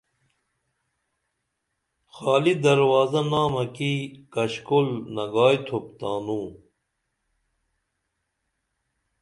خالی دروازہ نامہ کی کشکول نگائی تُھوپ تانوں